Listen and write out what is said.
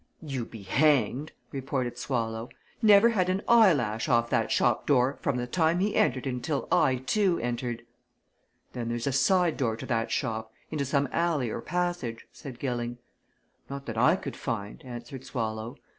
"You be hanged!" retorted Swallow. "Never had an eyelash off that shop door from the time he entered until I, too, entered." "Then there's a side door to that shop into some alley or passage," said Gilling. "Not that I could find," answered Swallow.